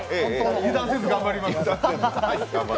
油断せず頑張ります。